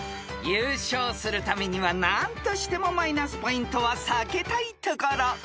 ［優勝するためには何としてもマイナスポイントは避けたいところ］